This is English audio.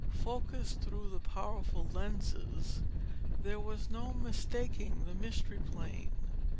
Focussed through the powerful lenses, there was no mistaking the Mystery Plane.